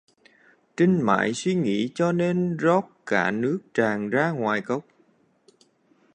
Trinh mải suy nghĩ cho nên rót cả nước tràn ra ngoài cốc